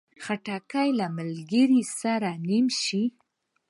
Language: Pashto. خټکی له ملګري سره نیم شي.